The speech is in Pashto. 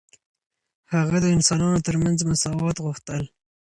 هغه د انسانانو ترمنځ مساوات غوښتل.